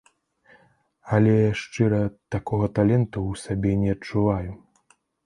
Але, шчыра, такога таленту ў сабе не адчуваю.